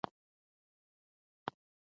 هغه وايي چې خپل عیسوي دین ته ژمن دی.